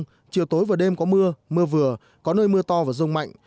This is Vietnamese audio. chiều tối và đêm có mưa mưa vừa có nơi mưa to và rông mạnh